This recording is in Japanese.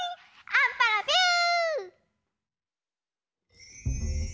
アッパラピュー！